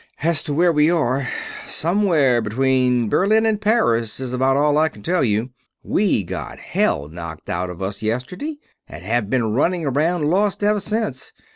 "As to where we are, somewhere between Berlin and Paris is about all I can tell you. We got hell knocked out of us yesterday, and have been running around lost ever since.